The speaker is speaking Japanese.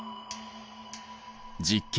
実験